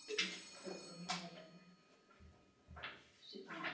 Bohužel, odpověď byla zatím skličující.